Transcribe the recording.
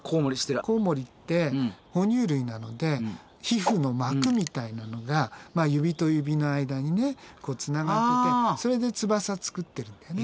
コウモリって哺乳類なので皮膚の膜みたいなのが指と指の間にねつながっててそれで翼作ってるんだよね。